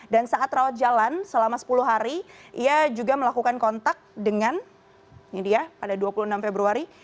dan saat rawat jalan selama sepuluh hari ia juga melakukan kontak dengan ini dia pada dua puluh enam februari